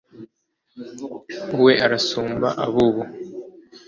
wowe urasumba ab’ubu